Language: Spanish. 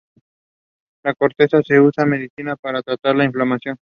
La corteza se usa en medicina para tratar la inflamación.